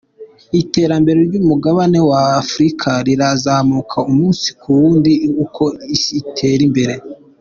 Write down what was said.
Iterambere ry’umugabane wa Afurika rirazamuka umunsi ku wundi uko isi itera imbere.